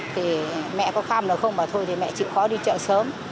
thì mẹ có khăm được không bảo thôi thì mẹ chịu khó đi chợ sớm